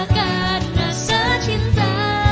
karena senang cinta